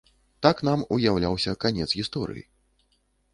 Так нам уяўляўся канец гісторыі.